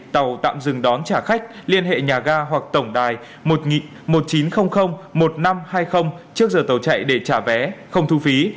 tàu tạm dừng đón trả khách liên hệ nhà ga hoặc tổng đài một chín không không một năm hai không trước giờ tàu chạy để trả vé không thu phí